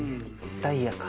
ダイヤか。